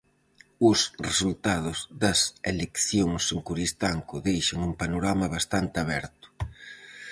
Os resultados das eleccións en Coristanco deixan un panorama bastante aberto.